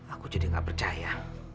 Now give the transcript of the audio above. aku jadi gak percaya